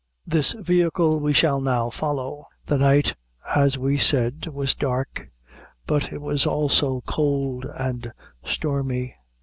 This vehicle we shall now follow. The night, as we said, was dark, but it was also cold and stormy.